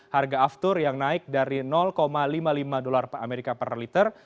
harga aftur yang naik dari lima puluh lima dolar amerika per liter